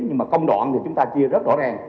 nhưng mà công đoạn thì chúng ta chia rất rõ ràng